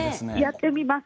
やってみます。